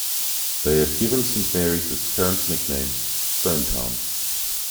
They have given Saint Marys its current nickname: Stonetown.